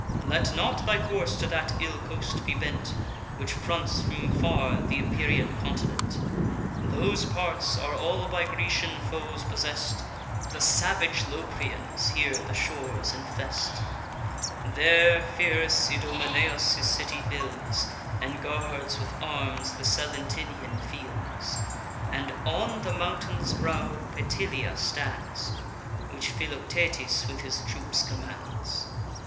Let not thy course to that ill coast be bent, Which fronts from far th' Epirian continent: Those parts are all by Grecian foes possess'd; The salvage Locrians here the shores infest; There fierce Idomeneus his city builds, And guards with arms the Salentinian fields; And on the mountain's brow Petilia stands, Which Philoctetes with his troops commands.